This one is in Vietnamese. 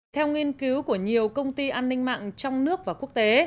theo nghiên cứu của nhiều công ty an ninh mạng trong nước và quốc tế